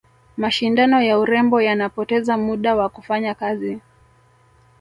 mashindano ya urembo yanapoteza muda wa kufanya kazi